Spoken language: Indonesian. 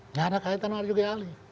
nggak ada kaitan marzuki ali